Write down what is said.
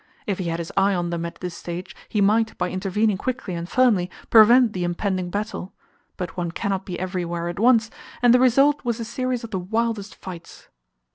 If he had his eye on them at this stage, he might, by intervening quickly and firmly, prevent the impending battle; but one cannot be everywhere at once, and the result was a series of the wildest fights.